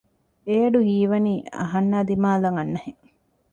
އެ އަޑު ހީވަނީ އަހަންނާއި ދިމާލަށް އަންނަހެން